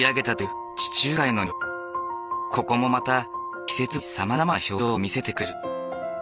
ここもまた季節ごとにさまざまな表情を見せてくれる。